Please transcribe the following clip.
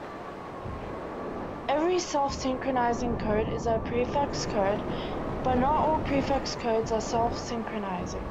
Every self-synchronizing code is a prefix code, but not all prefix codes are self-synchronizing.